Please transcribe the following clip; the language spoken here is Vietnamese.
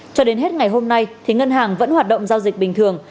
cho đến hết ngày hôm nay thì ngân hàng vẫn hoạt động giao dịch bình thường